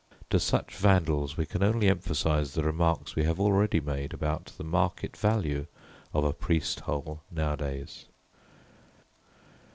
To such vandals we can only emphasise the remarks we have already made about the market value of a "priest hole" nowadays.